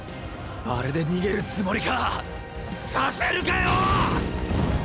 アレで逃げるつもりか⁉させるかよ！！